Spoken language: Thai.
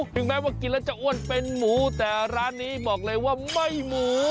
ถึงแม้ว่ากินแล้วจะอ้วนเป็นหมูแต่ร้านนี้บอกเลยว่าไม่หมู